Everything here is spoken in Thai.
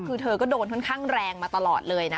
คือเธอก็โดนค่อนข้างแรงมาตลอดเลยนะ